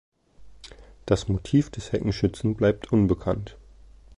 Das Motiv des Heckenschützen bleibt unbekannt.